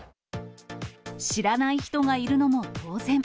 知らない人がいるのも当然。